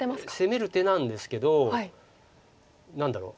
攻める手なんですけど何だろう。